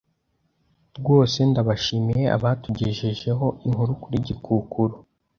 Rwose ndabashimiye abatugejejeho inkuru kuri gikukuru